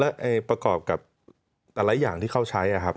และประกอบกับหลายอย่างที่เขาใช้